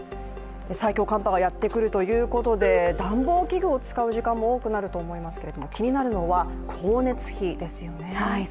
最強寒波がやってくるということで、暖房器具を使う時間も多くなると思いますけれども気になるのは光熱費ですよね。